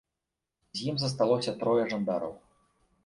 З ім засталося трое жандараў.